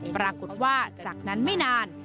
ปรากฏว่าจากนั้นไม่นาน